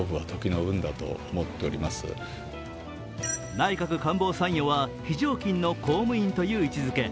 内閣官房参与は非常勤の公務員という位置づけ。